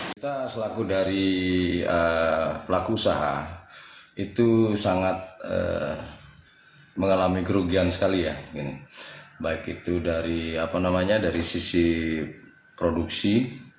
kita selaku dari pelaku usaha itu sangat mengalami kerugian sekali ya baik itu dari apa namanya dari sisi produksi